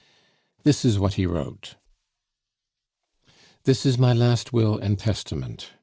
This is what he wrote: "This is my Last Will and Testament.